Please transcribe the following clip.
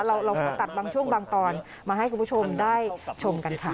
เราก็ตัดบางช่วงบางตอนมาให้คุณผู้ชมได้ชมกันค่ะ